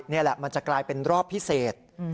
นี่แหละมันจะกลายเป็นรอบพิเศษ